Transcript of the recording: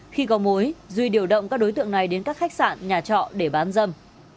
khi có mối duy điều động các đối tượng này đến các khách sạn nhà trọ để bán dâm